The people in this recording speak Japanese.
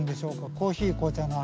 コーヒー紅茶の味。